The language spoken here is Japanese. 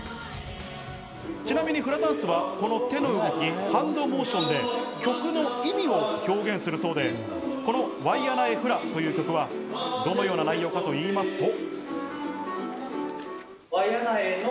ちなみにフラダンスはこの手の動きハンドモーションで曲の意味を表現するそうで、この『ワイアナエフラ』という曲はどのような内容かと言いますと。